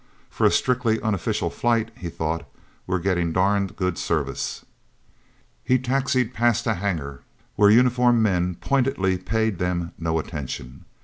"For a strictly unofficial flight," he thought, "we're getting darned good service." He taxied past a hangar where uniformed men pointedly paid them no attention.